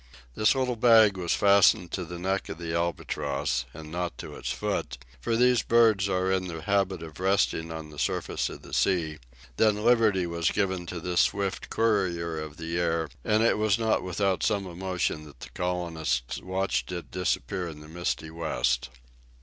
This little bag was fastened to the neck of the albatross, and not to its foot, for these birds are in the habit of resting on the surface of the sea; then liberty was given to this swift courier of the air, and it was not without some emotion that the colonists watched it disappear in the misty west.